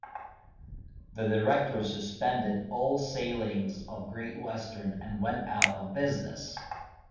The directors suspended all sailings of "Great Western" and went out of business.